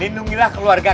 lindungilah keluarga kami